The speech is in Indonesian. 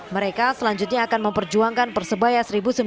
mereka selanjutnya akan memperjuangkan persebaya seribu sembilan ratus sembilan puluh